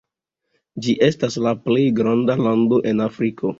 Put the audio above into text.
Ĝi estas la plej granda lando en Afriko.